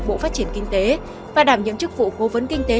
bộ phát triển kinh tế